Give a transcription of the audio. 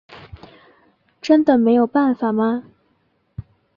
真的没有办法吗？